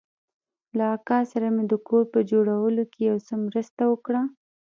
له اکا سره مې د کور په جوړولو کښې يو څه مرسته وکړه.